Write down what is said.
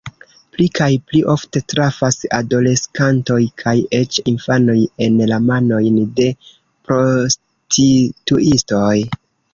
Pli kaj pli ofte trafas adoleskantoj kaj eĉ infanoj en la manojn de prostituistoj.